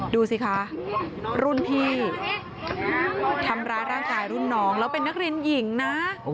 ดูสิคะรุ่นพี่ทำร้ายร่างกายรุ่นน้องแล้วเป็นนักเรียนหญิงนะ